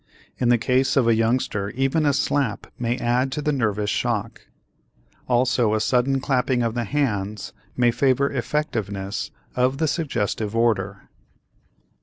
In the case of a youngster even a slap may add to the nervous shock; also a sudden clapping of the hands may favor effectiveness of the suggestive order.